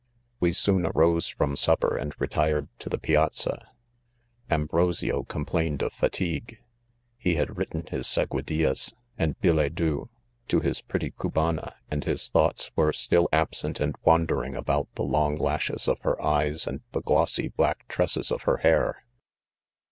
We soon arose from supper and retired to the piazza, Ambrosio complained of fatigue ; lie had written, his " scguidillas" and "billets douoe" tohis pretty c Cubana,' and his thoughts were sti.ll absent and wandering* about the long lashes of her eyes and the glossy black tress es of her hair.